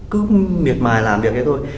cứ miệt mài làm việc thôi